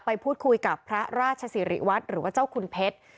ไปพูดคุยกับพระราชสิริวัตรหรือว่าเจ้าคุณเพชร